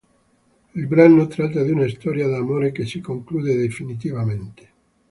Il brano tratta di una storia d'amore che si conclude definitivamente.